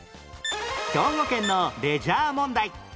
兵庫県のレジャー問題